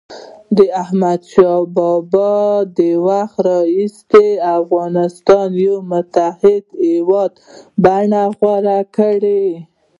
د احمدشاه بابا د وخت راهيسي افغانستان د یوه متحد هېواد بڼه غوره کړه.